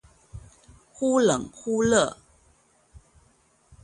忽冷忽熱